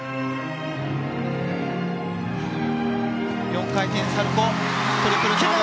４回転サルコウトリプルトウループ。